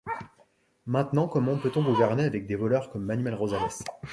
Maintenant comment peut-on gouverner avec des voleurs comme Manuel Rosales?